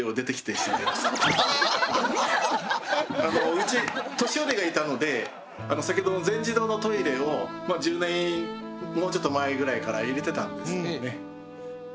うち年寄りがいたので先ほどの全自動のトイレを１０年もうちょっと前ぐらいから入れてたんですよね。